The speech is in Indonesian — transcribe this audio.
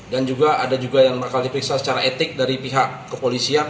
dan juga ada juga yang bakal diperiksa secara etik dari pihak kepolisian